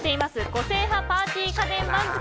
個性派パーティー家電番付。